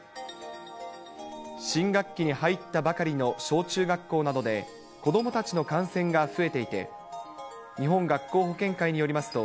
新学期に入ったばかりの小中学校などで、子どもたちの感染が増えていて、日本学校保健会によりますと、